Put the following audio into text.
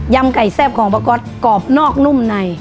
ไก่แซ่บของป้าก๊อตกรอบนอกนุ่มใน